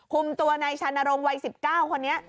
คุมตัวในชะนามวัย๑๙คนนี้